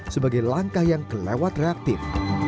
sebagai langkah yang kelewat reaktif